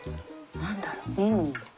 何だろう？